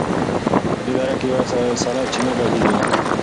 په دې دره کې یوه سړه چینه بهېږي.